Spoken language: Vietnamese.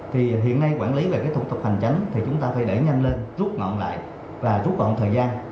thì hiện nay quản lý về cái thủ tục hành chánh thì chúng ta phải để nhanh lên rút ngọn lại và rút ngọn thời gian